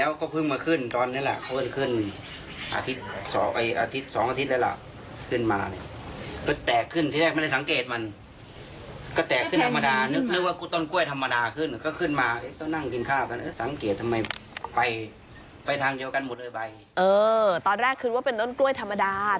เออตอนแรกคือว่าเป็นต้นกล้วยฝาแฝดธรรมดา